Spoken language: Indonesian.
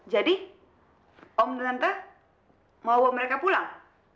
jadi om dan tante mau mereka pulang